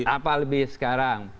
apa lebih sekarang